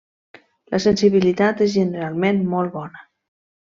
La sensibilitat és generalment molt bona.